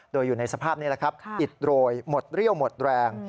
โดยอยู่ในสภาพนี้แหละครับอิดโรยหมดเรี่ยวหมดแรง